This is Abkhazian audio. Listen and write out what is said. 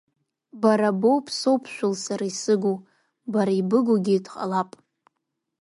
Ба боуп соуԥшәыл сара исыгу, бара ибыгугьы дҟалап.